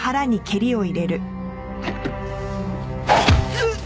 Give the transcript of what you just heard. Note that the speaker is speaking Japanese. うっ！